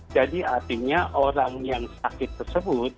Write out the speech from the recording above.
artinya orang yang sakit tersebut